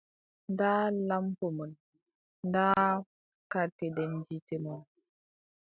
Ndaa lampo mon, daa kartedendite mon.